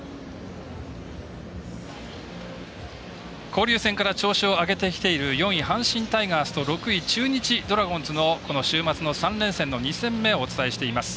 交流戦から調子を上げてきている４位阪神タイガースと６位中日ドラゴンズのこの週末の３連戦の２戦目をお伝えしています。